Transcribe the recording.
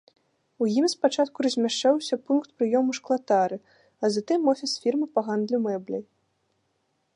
У ім спачатку размяшчаўся пункт прыёму шклатары, а затым офіс фірмы па гандлю мэбляй.